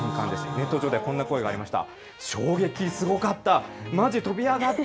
ネット上ではこんな声がありました。